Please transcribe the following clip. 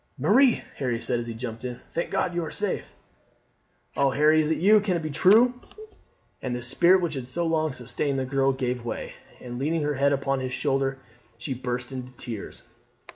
"Marie," Harry said as he jumped in, "thank God you are safe!" "Oh, Harry, is it you? Can it be true?" And the spirit which had so long sustained the girl gave way, and leaning her head upon his shoulder she burst into tears.